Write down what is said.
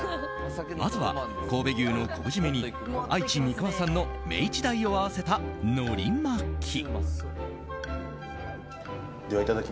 まずは神戸牛の昆布締めに愛知・三河産のメイチダイを合わせたのり巻き。